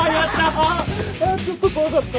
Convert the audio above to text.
ああちょっと怖かった。